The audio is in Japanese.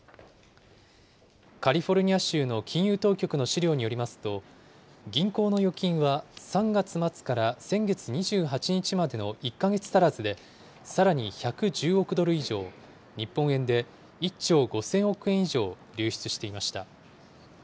カリフォルニア州の金融当局の資料によりますと、銀行の預金は３月末から先月２８日までの１か月足らずでさらに１１０億ドル以上、日本円で１兆５０００億円以上流出していました。